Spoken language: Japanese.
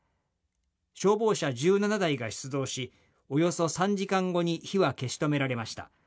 消防車１７台が出動し、およそ３時間後に火は消し止められました。